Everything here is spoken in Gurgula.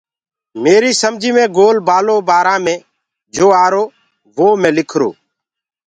ميريٚ سمجيٚ مي گول بآلو بآرآ مي جو آرو وو مي لِکرو